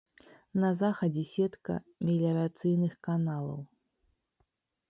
На захадзе сетка меліярацыйных каналаў.